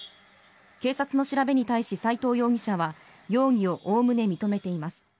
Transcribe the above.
警察の調べに対し、斎藤容疑者は容疑をおおむね認めています。